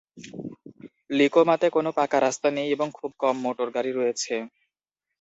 লিকোমাতে কোন পাকা রাস্তা নেই এবং খুব কম মোটর গাড়ি রয়েছে।